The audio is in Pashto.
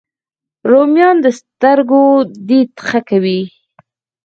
رومیان د سترګو دید ښه کوي